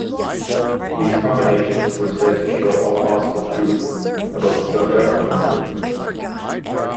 These combinations were said to show all possible truth about the subject of inquiry.